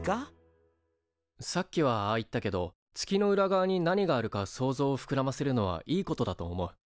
さっきはああ言ったけど月の裏側に何があるか想像をふくらませるのはいいことだと思う。